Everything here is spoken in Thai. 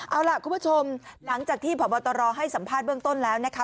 เอาล่ะคุณผู้ชมหลังจากที่พบตรให้สัมภาษณ์เบื้องต้นแล้วนะคะ